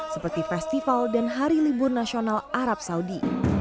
seperti festival dan hari libur nasional arab saudi